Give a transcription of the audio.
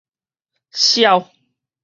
痟